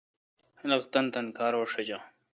خلق تانی تانی کار وا ݭجا۔